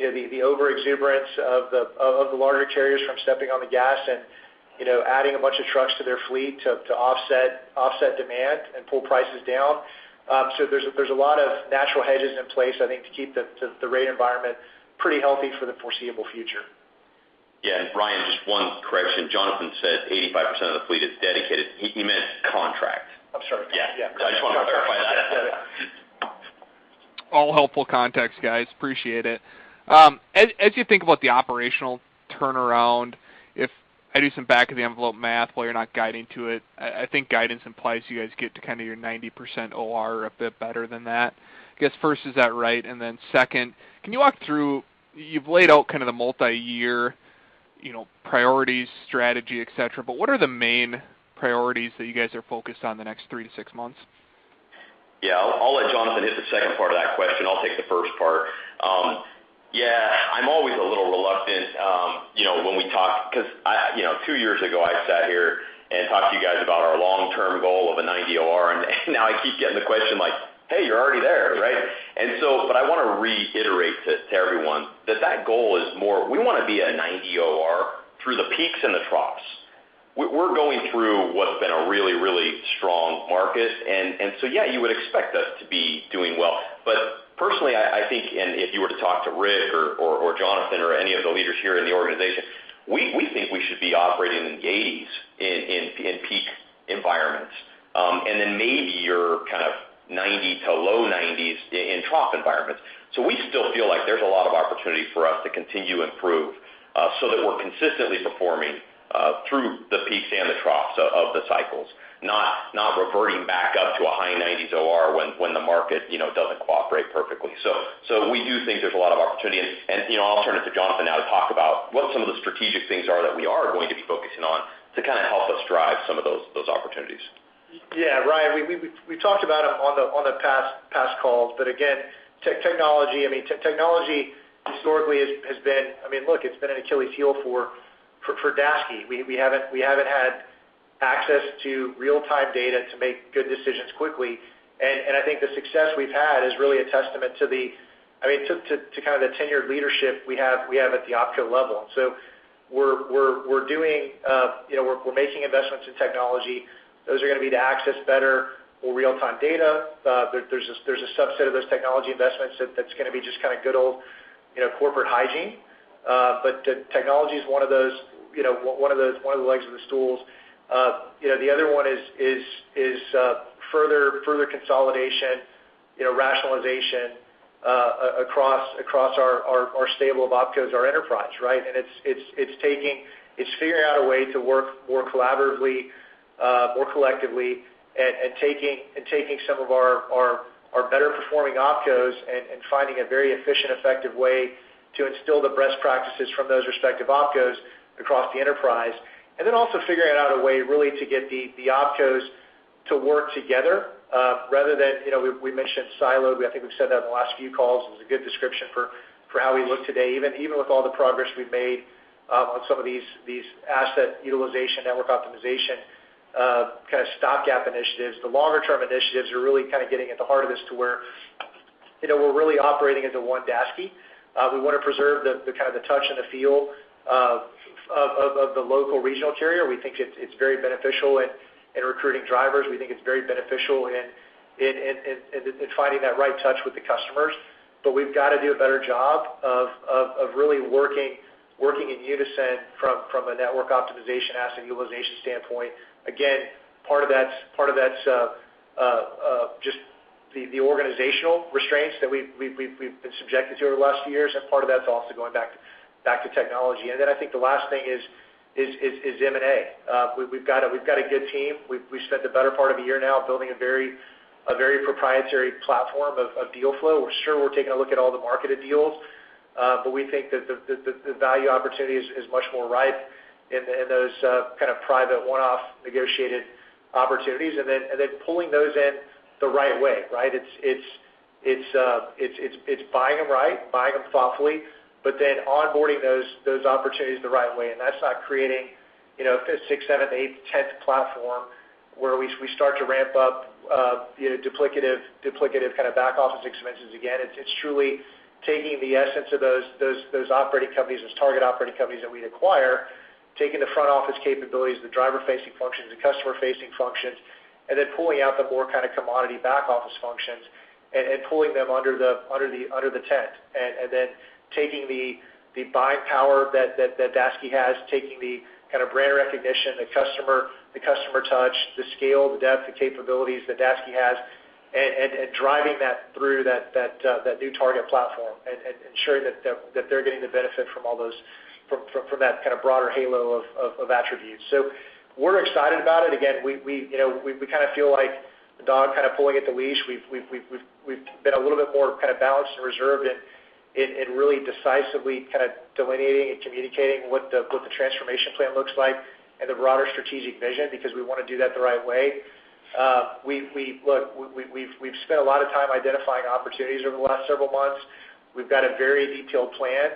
overexuberance of the larger carriers from stepping on the gas and adding a bunch of trucks to their fleet to offset demand and pull prices down. There's a lot of natural hedges in place, I think, to keep the rate environment pretty healthy for the foreseeable future. Yeah. Ryan, just one correction. Jonathan said 85% of the fleet is dedicated. He meant contract. I'm sorry. Yeah. Yeah. I just want to clarify that. Yeah. All helpful context, guys. Appreciate it. As you think about the operational turnaround, if I do some back of the envelope math while you're not guiding to it, I think guidance implies you guys get to kind of your 90% OR a bit better than that. I guess first, is that right? Then second, can you walk through, you've laid out kind of the multi-year, you know, priorities, strategy, et cetera. What are the main priorities that you guys are focused on the next 3 to 6 months? Yeah. I'll let Jonathan hit the 2nd part of that question. I'll take the 1st part. Yeah, I'm always a little reluctant, you know, when we talk because, you know, 2 years ago, I sat here and talked to you guys about our long-term goal of a 90 OR, and now I keep getting the question like, "Hey, you're already there," right? I want to reiterate to everyone that goal is more. We want to be a 90 OR through the peaks and the troughs. We're going through what's been a really, really strong market. Yeah, you would expect us to be doing well. Personally, I think, and if you were to talk to Rick or Jonathan or any of the leaders here in the organization, we think we should be operating in the 80s% in peak environments. And then maybe you're kind of 90 to low 90s% in trough environments. So we still feel like there's a lot of opportunity for us to continue improve, so that we're consistently performing through the peaks and the troughs of the cycles, not reverting back up to a high 90s% OR when the market, you know, doesn't cooperate perfectly. So we do think there's a lot of opportunity. You know, I'll turn it to Jonathan now to talk about what some of the strategic things are that we are going to be focusing on to kind of help us drive some of those opportunities. Yeah. Ryan, we talked about them on the past calls, but again, technology, I mean, technology historically has been, I mean, look, it's been an Achilles heel for Daseke. We haven't had access to real-time data to make good decisions quickly. I think the success we've had is really a testament to the, I mean, to kind of the tenured leadership we have at the OpCo level. We're doing, you know, we're making investments in technology. Those are gonna be to access better more real-time data. There's a subset of those technology investments that's gonna be just kind of good old, you know, corporate hygiene. Technology is one of those, you know, one of the legs of the stools. You know, the other one is further consolidation, you know, rationalization across our stable of OpCos, our enterprise, right? It's figuring out a way to work more collaboratively, more collectively and taking some of our better performing OpCos and finding a very efficient, effective way to instill the best practices from those respective OpCos across the enterprise. Figuring out a way really to get the OpCos to work together, rather than, you know, we mentioned siloed. I think we've said that in the last few calls. It was a good description for how we look today, even with all the progress we've made, on some of these asset utilization, network optimization, kind of stopgap initiatives. The longer term initiatives are really kind of getting at the heart of this to where, you know, we're really operating as a one Daseke. We want to preserve the kind of the touch and the feel of the local regional carrier. We think it's very beneficial in recruiting drivers. We think it's very beneficial in finding that right touch with the customers. We've got to do a better job of really working in unison from a network optimization asset utilization standpoint. Again, part of that's just the organizational restraints that we've been subjected to over the last few years, and part of that's also going back to technology. I think the last thing is M&A. We've got a good team. We've spent the better part of a year now building a very proprietary platform of deal flow. We're sure we're taking a look at all the marketed deals, but we think that the value opportunity is much more ripe in those kind of private one-off negotiated opportunities, and then pulling those in the right way, right? It's buying them right, buying them thoughtfully, but then onboarding those opportunities the right way. That's not creating, you know, a 5th, 6th, 7th, 8th, 10th platform where we start to ramp up, you know, duplicative kind of back-office expenses. It's truly taking the essence of those operating companies, those target operating companies that we acquire, taking the front office capabilities, the driver-facing functions, the customer-facing functions, and then pulling out the more kind of commodity back-office functions and pulling them under the tent. Then taking the buying power that Daseke has, taking the kind of brand recognition, the customer touch, the scale, the depth, the capabilities that Daseke has and driving that through that new target platform and ensuring that they're getting the benefit from all those from that kind of broader halo of attributes. We're excited about it. Again, we you know we kind of feel like the dog kind of pulling at the leash. We've been a little bit more kind of balanced and reserved in really decisively kind of delineating and communicating what the transformation plan looks like and the broader strategic vision because we wanna do that the right way. We... Look, we've spent a lot of time identifying opportunities over the last several months. We've got a very detailed plan,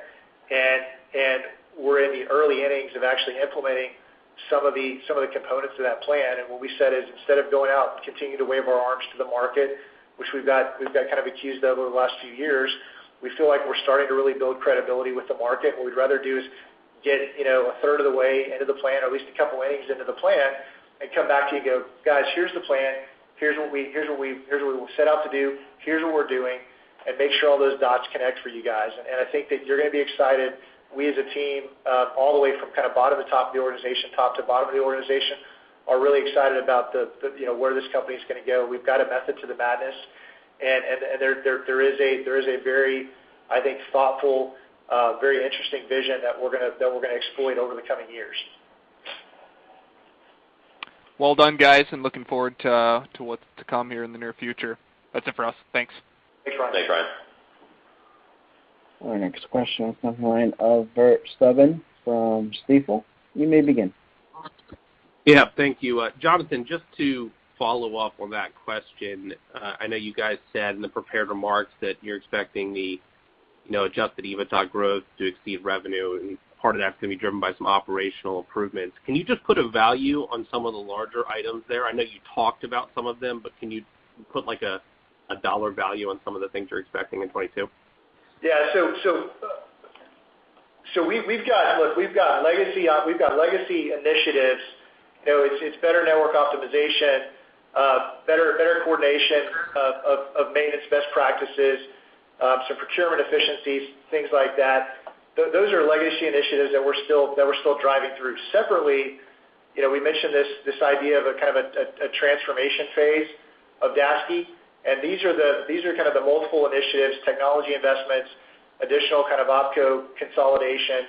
and we're in the early innings of actually implementing some of the components of that plan. What we said is, instead of going out and continuing to wave our arms to the market, which we've got kind of accused of over the last few years, we feel like we're starting to really build credibility with the market. What we'd rather do is get, you know, a third of the way into the plan, or at least a couple innings into the plan, and come back to you and go, "Guys, here's the plan. Here's what we set out to do. Here's what we're doing," and make sure all those dots connect for you guys. I think that you're going to be excited. We as a team, all the way from kind of bottom to top of the organization, top to bottom of the organization, are really excited about the you know, where this company is gonna go. We've got a method to the madness and there is a very, I think, thoughtful, very interesting vision that we're gonna exploit over the coming years. Well done, guys, and looking forward to what's to come here in the near future. That's it for us. Thanks. Thanks, Brian. Thanks, Brian. Our next question comes from the line of Bert Subin from Stifel. You may begin. Yeah. Thank you. Jonathan, just to follow up on that question, I know you guys said in the prepared remarks that you're expecting the, you know, adjusted EBITDA growth to exceed revenue, and part of that's gonna be driven by some operational improvements. Can you just put a value on some of the larger items there? I know you talked about some of them, but can you put like a dollar value on some of the things you're expecting in 2022? Yeah. We've got legacy initiatives. You know, it's better network optimization, better coordination of maintenance best practices, some procurement efficiencies, things like that. Those are legacy initiatives that we're still driving through. Separately, you know, we mentioned this idea of a kind of a transformation phase of Daseke, and these are kind of the multiple initiatives, technology investments, additional kind of OpCo consolidation,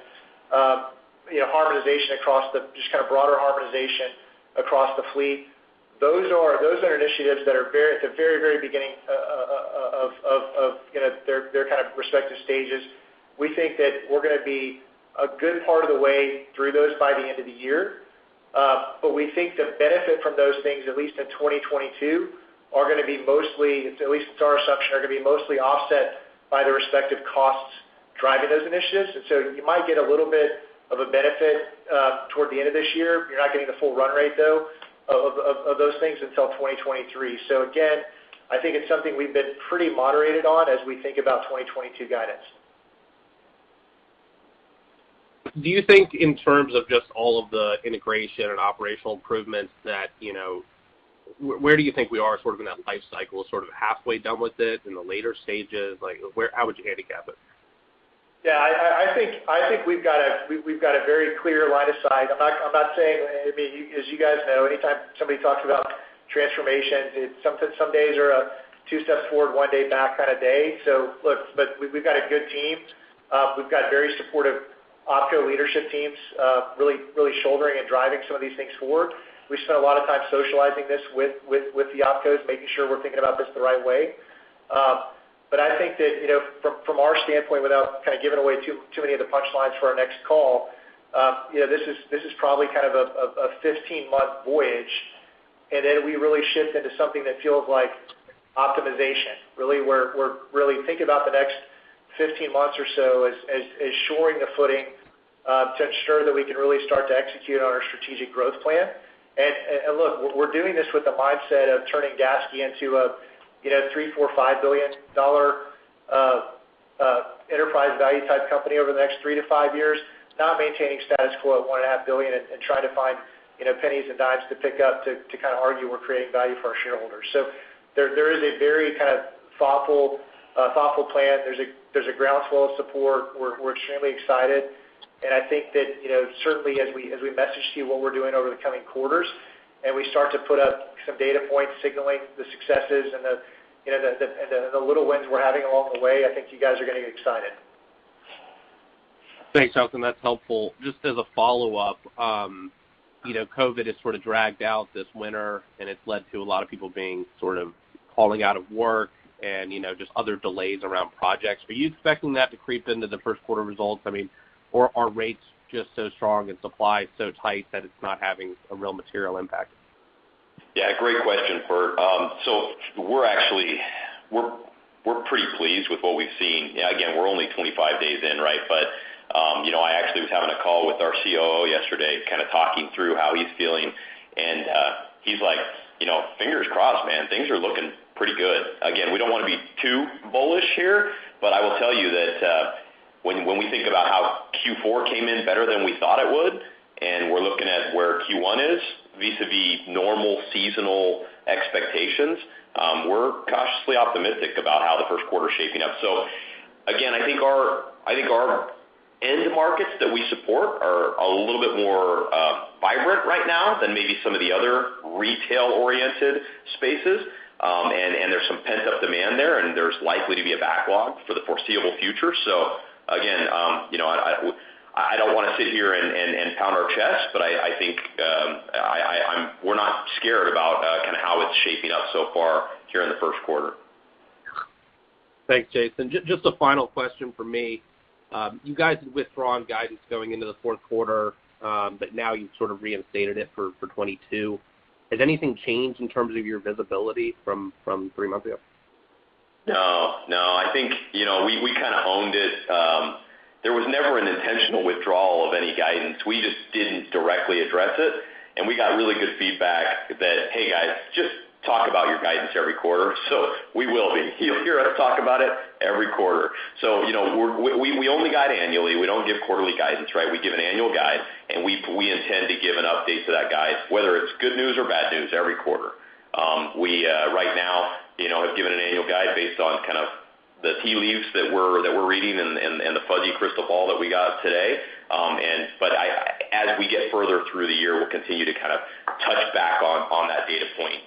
you know, harmonization across the just kind of broader harmonization across the fleet. Those are initiatives that are very at the very beginning of, you know, their kind of respective stages. We think that we're going to be a good part of the way through those by the end of the year. We think the benefit from those things, at least in 2022, are gonna be mostly, at least it's our assumption, are going to be mostly offset by the respective costs driving those initiatives. You might get a little bit of a benefit, toward the end of this year. You're not getting the full run rate though of those things until 2023. Again, I think it's something we've been pretty moderated on as we think about 2022 guidance. Do you think in terms of just all of the integration and operational improvements that, you know. Where do you think we are sort of in that life cycle? Sort of halfway done with it? In the later stages? Like where. How would you handicap it? Yeah. I think we've got a very clear line of sight. I'm not saying. I mean, you as you guys know, anytime somebody talks about transformation, it's some days are a two steps forward, one day back kind of day. Look, but we've got a good team. We've got very supportive OpCo leadership teams, really shouldering and driving some of these things forward. We spent a lot of time socializing this with the OpCos, making sure we're thinking about this the right way. I think that, you know, from our standpoint, without kind of giving away too many of the punchlines for our next call, you know, this is probably kind of a 15-month voyage, and then we really shift into something that feels like optimization, really where we're really thinking about the next 15 months or so as shoring the footing, to ensure that we can really start to execute on our strategic growth plan. Look, we're doing this with the mindset of turning Daseke into a, you know, 3, 4, $5 billion enterprise value type company over the next 3 to 5 years, not maintaining status quo at $1.5 billion and trying to find, you know, pennies and dimes to pick up to kind of argue we're creating value for our shareholders. There is a very kind of thoughtful plan. There's a groundswell of support. We're extremely excited. I think that, you know, certainly as we message to you what we're doing over the coming quarters, and we start to put up some data points signaling the successes and the, you know, the little wins we're having along the way, I think you guys are gonna get excited. Thanks, Jonathan. That's helpful. Just as a follow-up, COVID has sort of dragged out this winter, and it's led to a lot of people being sort of calling out of work and just other delays around projects. Are you expecting that to creep into the first quarter results? I mean, or are rates just so strong and supply so tight that it's not having a real material impact? Yeah, great question, Bert. So we're actually. We're pretty pleased with what we've seen. Again, we're only 25 days in, right? But you know, I actually was having a call with our COO yesterday, kind of talking through how he's feeling, and he's like, "You know, fingers crossed, man, things are looking pretty good." Again, we don't want to be too bullish here, but I will tell you that when we think about how Q4 came in better than we thought it would, and we're looking at where Q1 is vis-à-vis normal seasonal expectations, we're cautiously optimistic about how the Q1 is shaping up. So again, I think our end markets that we support are a little bit more vibrant right now than maybe some of the other retail-oriented spaces. There's some pent-up demand there, and there's likely to be a backlog for the foreseeable future. Again, you know, I don't want to sit here and pound our chest, but I think we're not scared about kind of how it's shaping up so far here in the first quarter. Thanks, Jason. Just a final question from me. You guys have withdrawn guidance going into the fourth quarter, but now you've sort of reinstated it for 2022. Has anything changed in terms of your visibility from three months ago? No. I think we kind of owned it. There was never an intentional withdrawal of any guidance. We just didn't directly address it. We got really good feedback that, "Hey, guys, just talk about your guidance every quarter." We will. You'll hear us talk about it every quarter. We only guide annually. We don't give quarterly guidance, right? We give an annual guide, and we intend to give an update to that guide, whether it's good news or bad news every quarter. We right now have given an annual guide based on kind of the tea leaves that we're reading and the fuzzy crystal ball that we got today. As we get further through the year, we'll continue to kind of touch back on that data point.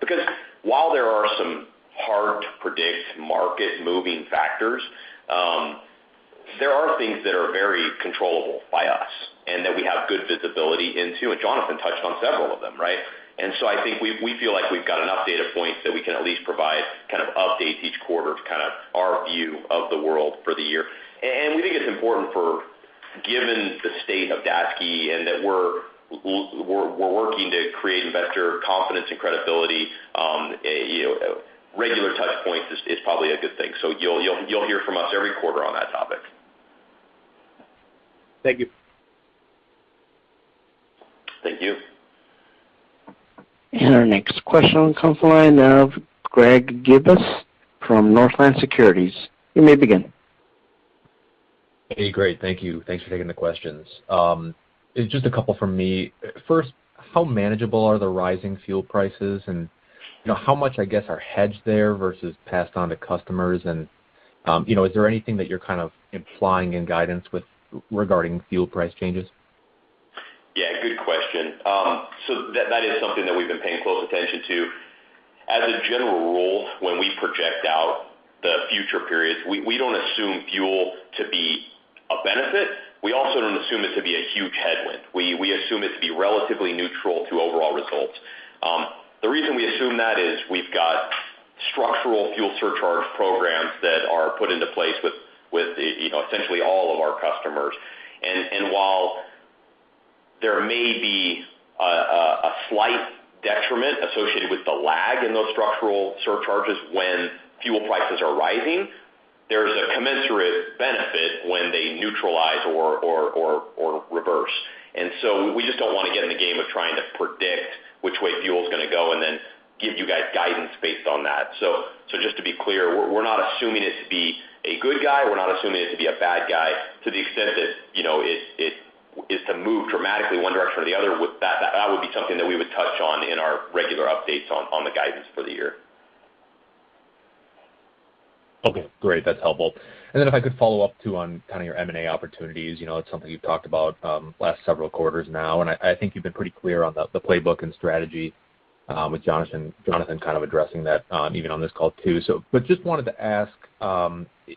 Because while there are some hard-to-predict market-moving factors, there are things that are very controllable by us and that we have good visibility into, and Jonathan touched on several of them, right? I think we feel like we've got enough data points that we can at least provide kind of updates each quarter to kind of our view of the world for the year. We think it's important for, given the state of Daseke and that we're working to create investor confidence and credibility, you know, regular touch points is probably a good thing. You'll hear from us every quarter on that topic. Thank you. Thank you. Our next question comes from the line of Greg Gibas from Northland Securities. You may begin. Hey, great. Thank you. Thanks for taking the questions. Just a couple from me. 1st, how manageable are the rising fuel prices? You know, how much, I guess, are hedged there versus passed on to customers? You know, is there anything that you're kind of implying in guidance with regard to fuel price changes? Yeah, good question. So that is something that we've been paying close attention to. As a general rule, when we project out the future periods, we don't assume fuel to be a benefit. We also don't assume it to be a huge headwind. We assume it to be relatively neutral to overall results. The reason we assume that is we've got structural fuel surcharge programs that are put into place with you know, essentially all of our customers. While there may be a slight detriment associated with the lag in those structural surcharges when fuel prices are rising, there's a commensurate benefit when they neutralize or reverse. We just don't want to get in the game of trying to predict which way fuel is gonna go and then give you guys guidance based on that. Just to be clear, we're not assuming it to be a good guy. We're not assuming it to be a bad guy. To the extent that, you know, it is to move dramatically one direction or the other, that would be something that we would touch on in our regular updates on the guidance for the year. Okay, great. That's helpful. If I could follow up, too, on kind of your M&A opportunities. You know, it's something you've talked about last several quarters now, and I think you've been pretty clear on the playbook and strategy with Jonathan kind of addressing that even on this call, too. Just wanted to ask,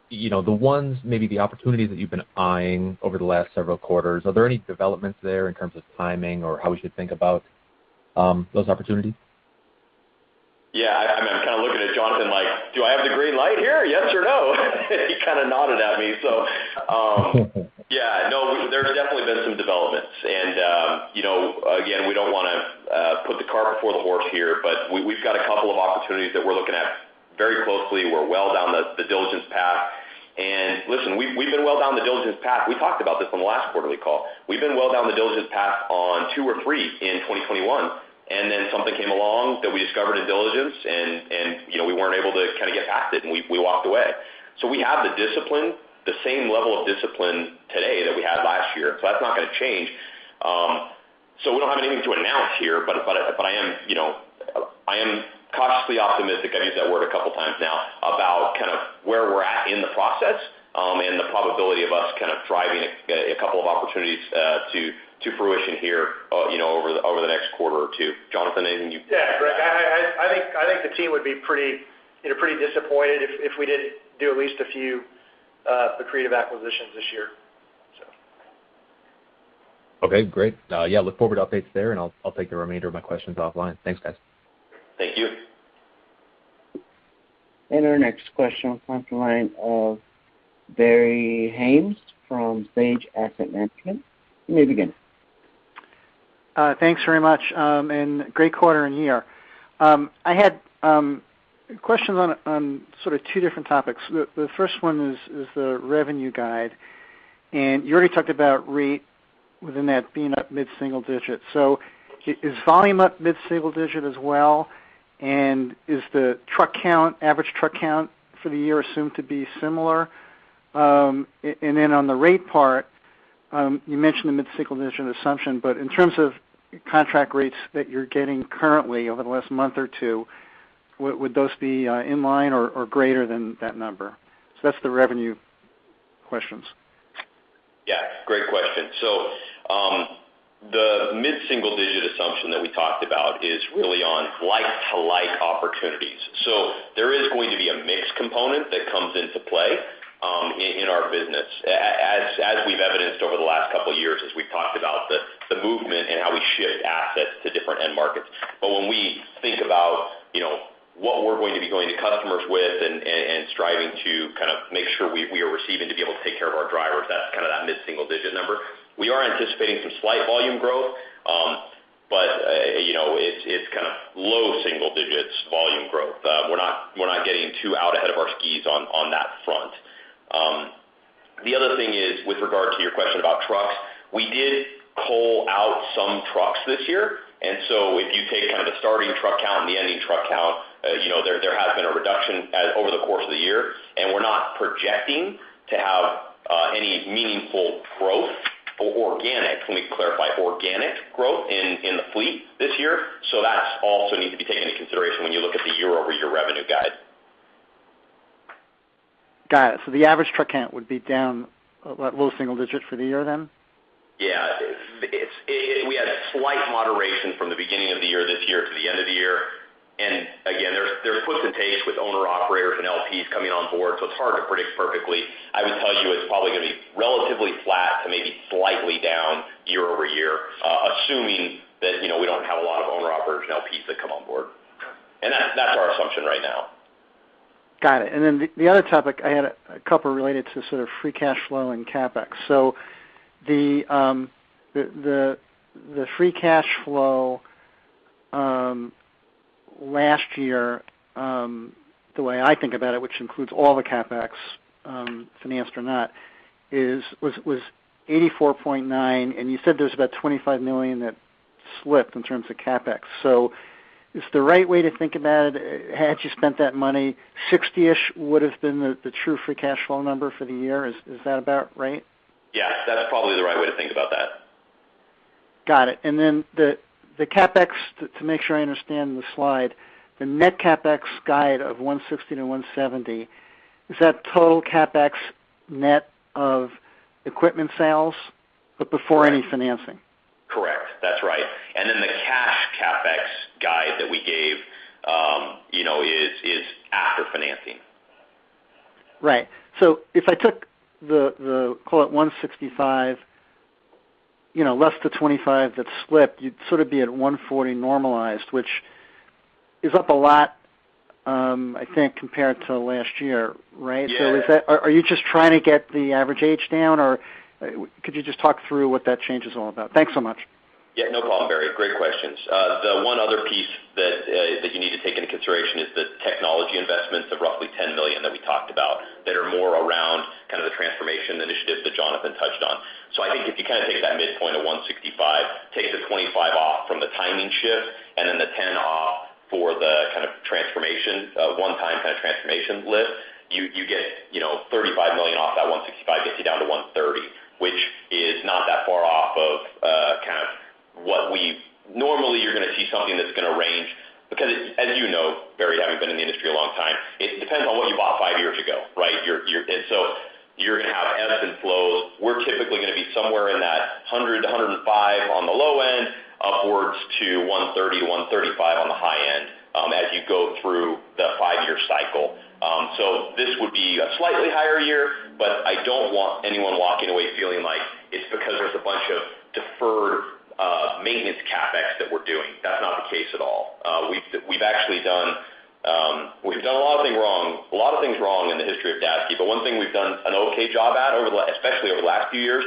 you know, the ones, maybe the opportunities that you've been eyeing over the last several quarters, are there any developments there in terms of timing or how we should think about those opportunities? Yeah, I'm kind of looking at Jonathan like, "Do I have the green light here, yes or no?" He kind of nodded at me, so. Yeah, no, there's definitely been some developments. You know, again, we don't wanna put the cart before the horse here, but we've got a couple of opportunities that we're looking at very closely. We're well down the diligence path. Listen, we've been well down the diligence path. We talked about this on the last quarterly call. We've been well down the diligence path on 2 or 3 in 2021, and then something came along that we discovered in diligence, you know, we weren't able to kind of get past it, and we walked away. We have the discipline, the same level of discipline today that we had last year. That's not going to change. We don't have anything to announce here, but I am, you know, I am cautiously optimistic. I've used that word a couple times now about kind of where we're at in the process and the probability of us kind of driving a couple of opportunities to fruition here, you know, over the next quarter or Q2. Jonathan, anything you- Yeah. I think the team would be pretty, you know, pretty disappointed if we didn't do at least a few accretive acquisitions this year, so. Okay, great. Yeah, look forward to updates there, and I'll take the remainder of my questions offline. Thanks, guys. Thank you. Our next question comes from the line of Barry Haimes from Sage Asset Management. You may begin. Thanks very much, and great quarter and year. I had questions on sort of two different topics. The 1st one is the revenue guide. You already talked about rate within that being up mid-single digit. Is volume up mid-single digit as well? Is the truck count, average truck count for the year assumed to be similar? And then on the rate part, you mentioned the mid-single digit assumption, but in terms of contract rates that you're getting currently over the last month or two, would those be in line or greater than that number? That's the revenue questions. Yeah, great question. The mid-single digit assumption that we talked about is really on like-to-like opportunities. There is going to be a mix component that comes into play in our business. As we've evidenced over the last couple of years as we've talked about the movement and how we shift assets to different end markets. When we think about, you know, what we're going to be going to customers with and striving to kind of make sure we are receiving to be able to take care of our drivers, that's kind of that mid-single digit number. We are anticipating some slight volume growth. You know, it's kind of low single digits volume growth. We're not getting too out ahead of our skis on that front. The other thing is with regard to your question about trucks, we did cull out some trucks this year, and so if you take kind of the starting truck count and the ending truck count, you know, there has been a reduction over the course of the year, and we're not projecting to have any meaningful growth or organic. Let me clarify. Organic growth in the fleet this year. That's also needs to be taken into consideration when you look at the year-over-year revenue guide. Got it. The average truck count would be down, what, low single digit for the year then? Yeah. We had a slight moderation from the beginning of the year this year to the end of the year. Again, there's puts and takes with owner-operators and LPs coming on board, so it's hard to predict perfectly. I would tell you it's probably gonna be relatively flat to maybe slightly down year-over-year, assuming that, you know, we don't have a lot of owner-operators and LPs that come on board. That's our assumption right now. Got it. The other topic, I had a couple related to sort of free cash flow and CapEx. The free cash flow last year, the way I think about it, which includes all the CapEx, financed or not, was $84.9 million, and you said there's about $25 million that slipped in terms of CapEx. Is the right way to think about it, had you spent that money, 60-ish would have been the true free cash flow number for the year. Is that about right? Yeah. That's probably the right way to think about that. Got it. The CapEx to make sure I understand the slide, the net CapEx guide of $160-$170, is that total CapEx net of equipment sales, but before any financing? Correct. That's right. The cash CapEx guide that we gave, you know, is after financing. Right. If I took the call it $165, you know, less the $25 that slipped, you'd sort of be at $140 normalized, which is up a lot, I think, compared to last year, right? Yeah. Are you just trying to get the average age down, or could you just talk through what that change is all about? Thanks so much. Yeah, no problem, Barry. Great questions. The one other piece that that you need to take into consideration is the technology investments of roughly $10 million that we talked about that are more around kind of the transformation initiatives that Jonathan touched on. I think if you kind of take that midpoint of $165 million, take the $25 million off from the timing shift, and then the $10 million off for the kind of transformation one-time kind of transformation lift, you get, you know, $35 million off that $165 million gets you down to $130 million, which is not that far off of kind of what we normally, you're gonna see something that's going to range because as you know, Barry, having been in the industry a long time, it depends on what you bought 5 years ago, right? You're gonna have ebbs and flows. We're typically gonna be somewhere in that 100 to 105 on the low end, upwards to 130 to 135 on the high end, as you go through the five-year cycle. This would be a slightly higher year, but I don't want anyone walking away feeling like it's because there's a bunch of deferred maintenance CapEx that we're doing. That's not the case at all. We've actually done a lot of things wrong in the history of Daseke, but one thing we've done an okay job at over the, especially over the last few years,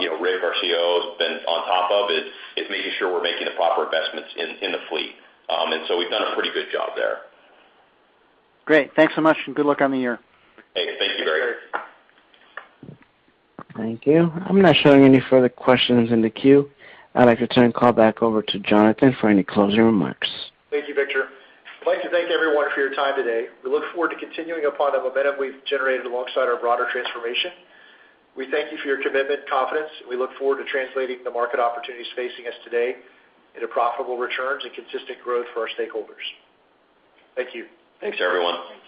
you know, Ray, our CEO, has been on top of is making sure we're making the proper investments in the fleet. We've done a pretty good job there. Great. Thanks so much, and good luck on the year. Hey, thank you, Barry. Thank you. I'm not showing any further questions in the queue. I'd like to turn the call back over to Jonathan for any closing remarks. Thank you, Victor. I'd like to thank everyone for your time today. We look forward to continuing upon the momentum we've generated alongside our broader transformation. We thank you for your commitment and confidence. We look forward to translating the market opportunities facing us today into profitable returns and consistent growth for our stakeholders. Thank you. Thanks, everyone. Thank you.